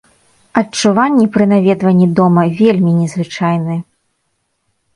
Адчуванні пры наведванні дома вельмі незвычайныя.